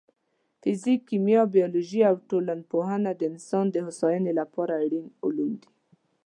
فزیک، کیمیا، بیولوژي او ټولنپوهنه د انسان د هوساینې لپاره اړین علوم دي.